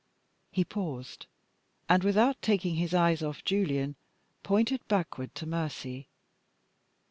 He paused, and, without taking his eyes off Julian, pointed backward to Mercy.